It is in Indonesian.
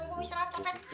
gua mau istirahat capek